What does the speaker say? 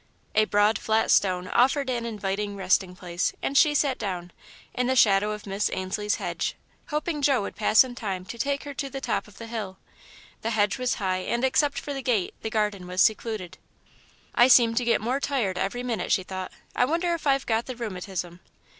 A broad, flat stone offered an inviting resting place, and she sat down, in the shadow of Miss Ainslie's hedge, hoping Joe would pass in time to take her to the top of the hill. The hedge was high and except for the gate the garden was secluded. "I seem to get more tired every minute," she thought. "I wonder if I've got the rheumatism."